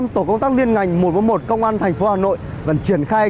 một mươi năm tổ công tác liên ngành một trăm bốn mươi một công an thành phố hà nội vẫn triển khai